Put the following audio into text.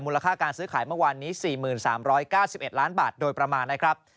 ค่าการซื้อขายเมื่อวานนี้๔๓๙๑ล้านบาทโดยประมาณนะครับ